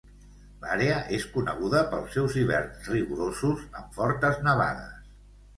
L'àrea és coneguda pels seus hiverns rigorosos amb fortes nevades.